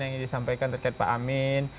gagasan yang disampaikan terkait pak amin